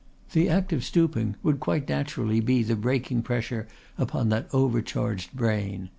The act of stooping would quite naturally be the breaking pressure upon that overcharged brain.